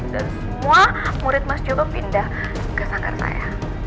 dan semua murid mas joko pindah ke sanggar saya